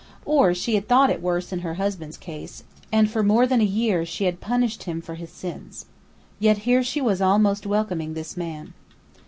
Or she had thought it worse in her husband's case, and for more than a year she had punished him for his sins. Yet here she was almost welcoming this man.